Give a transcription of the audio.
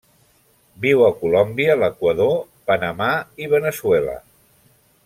Viu a Colòmbia, l'Equador, Panamà i Veneçuela.